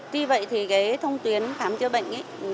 tuy vậy thì cái thông tuyến khám chữa bệnh